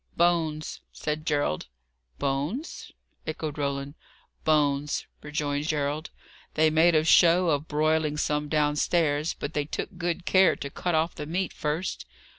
"Bones," said Gerald. "Bones?" echoed Roland. "Bones," rejoined Gerald. "They made a show of broiling some downstairs, but they took good care to cut off the meat first.